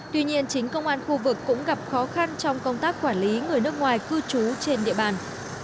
tuy nhiên chính công an khu vực cũng gặp khó khăn trong công tác quản lý người nước ngoài cư trú trên địa bàn